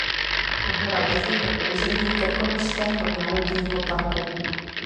Hora leží na území Krkonošského národního parku.